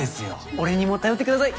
俺にも頼ってください。